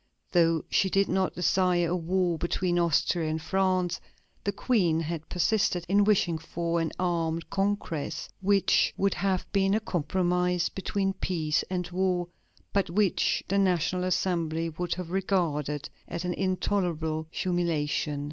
Though she did not desire a war between Austria and France, the Queen had persisted in wishing for an armed congress, which would have been a compromise between peace and war, but which the National Assembly would have regarded as an intolerable humiliation.